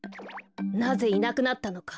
なぜいなくなったのか。